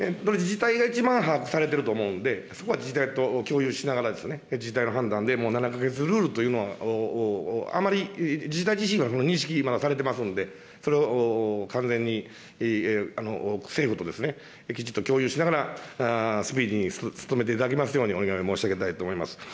自治体が一番把握されていると思うんで、そこは自治体と共有しながら、自治体の判断で、もう７か月ルールというのは、あまり自治体自身は認識まだされてますので、それを完全に、政府ときちっと共有しながら、スピーディーに努めていただきますようにお願いを申し上げたいと思います。